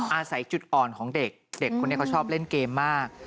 อาศัยจุดอ่อนของเด็กเด็กคนนี้เขาชอบเล่นเกมมาก